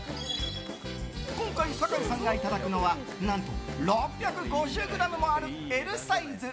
今回、酒井さんがいただくのは何と６５０ｇもあるＬサイズ。